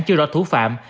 chưa đoạt thủ phạm